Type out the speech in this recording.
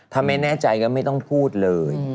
ถ้าไม่แน่ใจก็ไม่ต้องพูดเลย